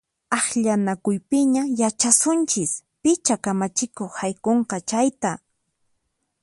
Akllanakuypiña yachasunchis picha kamachikuq haykunqa chayta!